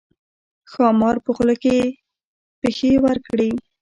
ښامار په خوله کې پښې ورکړې.